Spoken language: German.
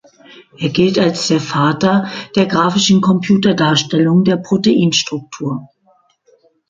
Er gilt als der Vater der grafischen Computerdarstellung der Proteinstruktur.